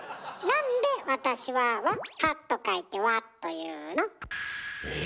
なんで「私は」は「は」と書いて「わ」というの？